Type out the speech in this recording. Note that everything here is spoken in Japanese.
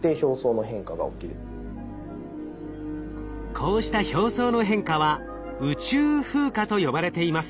こうした表層の変化は「宇宙風化」と呼ばれています。